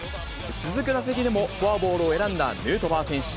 続く打席でも、フォアボールを選んだヌートバー選手。